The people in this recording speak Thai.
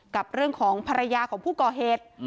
กับเรื่องของภรรยาของผู้ก่อเหตุ